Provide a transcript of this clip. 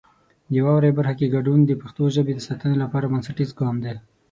د واورئ برخه کې ګډون د پښتو ژبې د ساتنې لپاره بنسټیز ګام دی.